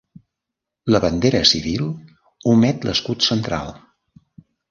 La bandera civil omet l'escut central.